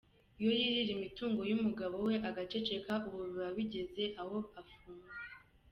Iyo yirira imitungo y’umugabo we agaceceka ubu biba bigeze aho afungwa?”!